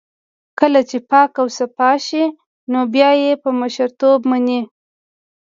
کله چې پاک اوصاف شي نو بيا يې په مشرتوب مني.